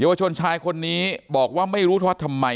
วชนชายคนนี้บอกว่าไม่รู้ทอดทำไม